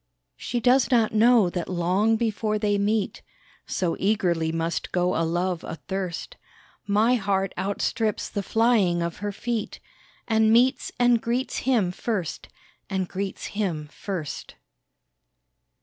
She does not know that long before they meet (So eagerly must go a love athirst), My heart outstrips the flying of her feet, And meets and greets him first and greets him first.